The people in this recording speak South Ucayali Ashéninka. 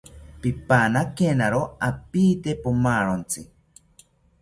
Pipanakenawo apiite pomarontzi